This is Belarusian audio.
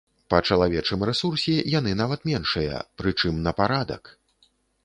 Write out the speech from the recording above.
Па чалавечым рэсурсе яны нават меншыя, прычым на парадак!